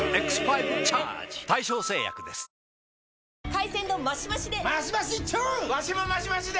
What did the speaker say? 海鮮丼マシマシで！